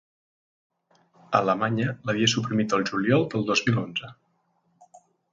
Alemanya l’havia suprimit el juliol del dos mil onze.